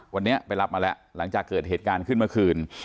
วันนี้ไปรับมาแล้วหลังจากเกิดเหตุการณ์ขึ้นเมื่อคืน